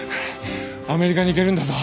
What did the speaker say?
アメリカに行けるんだぞ。